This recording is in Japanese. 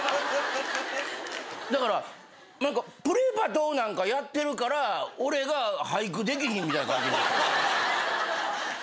だから『プレバト‼』なんかやってるから俺が俳句できひんみたいな感じになってるんですよ。